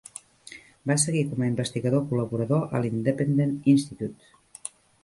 Va seguir com a investigador col·laborador al Independent Institute.